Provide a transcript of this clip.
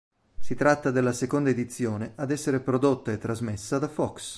Si tratta della seconda edizione ad essere prodotta e trasmessa da Fox.